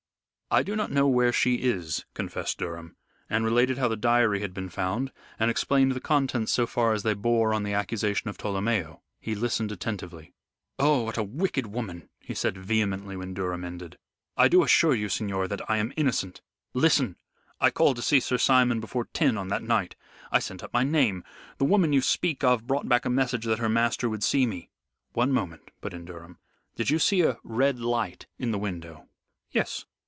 "I do not know where she is," confessed Durham, and related how the diary had been found, and explained the contents so far as they bore on the accusation of Tolomeo. He listened attentively. "Oh, what a wicked woman!" he said vehemently when Durham ended. "I do assure you, signor, that I am innocent. Listen! I called to see Sir Simon before ten on that night. I sent up my name. The woman you speak of brought back a message that her master would see me." "One moment," put in Durham. "Did you see a red light in the window?" "Yes.